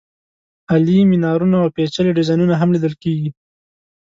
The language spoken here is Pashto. عالي مېنارونه او پېچلي ډیزاینونه هم لیدل کېږي.